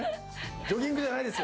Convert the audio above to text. ジョギングじゃないですよ。